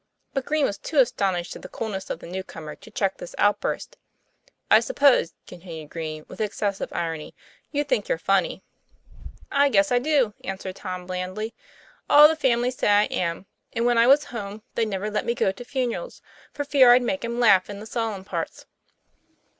But Green was too astonished at the coolness of the new comer to check this outburst. 'I suppose," continued Green, with excessive irony, "you think you're funny?" "I guess I do, "answered Tom blandly. "All the family say I am; and when I was home they'd never let me go to funerals, for fear I'd make 'em laugh in the solemn parts."